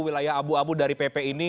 wilayah abu abu dari pp ini